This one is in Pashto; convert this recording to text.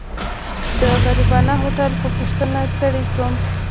د غريبانه هوټل په پوښتنه ستړی شوم.